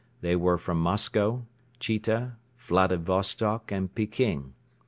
They were from Moscow, Chita, Vladivostok and Peking.